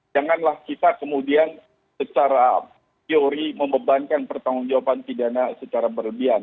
janganlah kita kemudian secara teori membebankan pertanggung jawaban pidana secara berlebihan